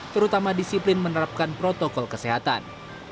terutama disiplin menerapkan protokol kesehatan